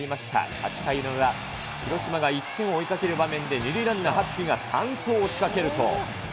８回の裏、広島が１点を追いかける場面で二塁ランナー、羽月が３盗を仕掛けると。